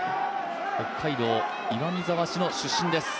北海道岩見沢市の出身です。